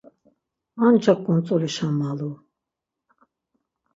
Ancak ǩuntzulişa malu.